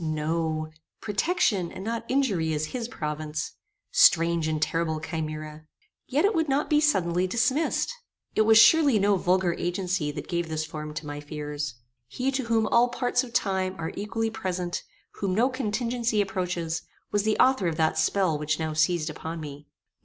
No; protection, and not injury is his province. Strange and terrible chimera! Yet it would not be suddenly dismissed. It was surely no vulgar agency that gave this form to my fears. He to whom all parts of time are equally present, whom no contingency approaches, was the author of that spell which now seized upon me.